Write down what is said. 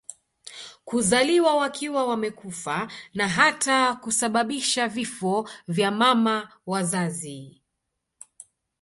kuzaliwa wakiwa wamekufa na hata kusababisha vifo vya mama wazazi